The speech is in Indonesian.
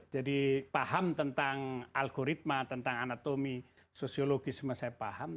jadi paham tentang algoritma tentang anatomi sosiologi semua saya paham